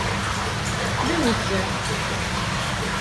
D awezzeɛ.